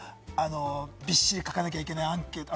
びっしり書かなきゃいけないアンケートとか。